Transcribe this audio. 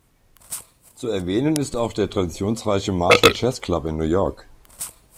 Zu erwähnen ist auch der traditionsreiche Marshall Chess Club in New York.